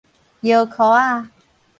搖箍仔